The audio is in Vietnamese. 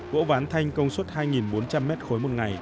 gỗ ván thanh công suất hai bốn trăm linh m ba một ngày